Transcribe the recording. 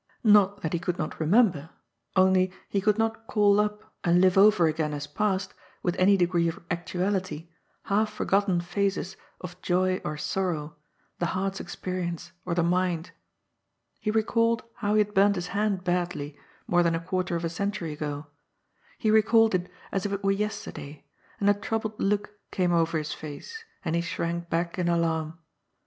Not that he could not remember, only he could npt call up and live over again as past, with any degree of actuality, half forgotten phases of joy or sorrow, the heart's experience, or the mind's. He recalled how he had burnt his hand badly more than a quarter of a century ago ; he recalled it as if it were yester day, and a troubled look came over his face, and he shrank back in alarm.